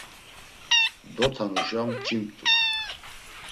Dotanuşa mç̌imt̆u.